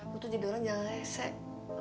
lo tuh jadi orang yang lesek